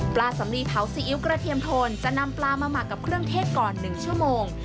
สำลีเผาซีอิ๊วกระเทียมโทนจะนำปลามาหมักกับเครื่องเทศก่อน๑ชั่วโมง